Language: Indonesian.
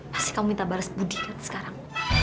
masih kamu minta balas budi kan sekarang